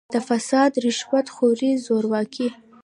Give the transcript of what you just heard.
د «فساد، رشوت خورۍ، زورواکۍ